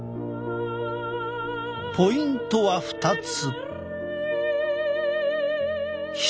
ポイントは２つ。